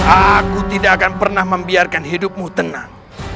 aku tidak akan pernah membiarkan hidupmu tenang